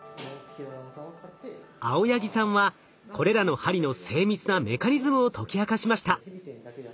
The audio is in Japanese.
青柳さんはこれらの針の精密なメカニズムを解き明かしました。